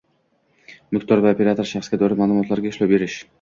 Mulkdor va operator shaxsga doir ma’lumotlarga ishlov berish